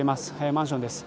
マンションです。